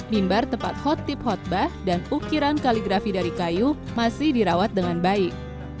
mimbar tempat hot tip hot bah dan ukiran kaligrafi dari kayu masih dirawat dengan baik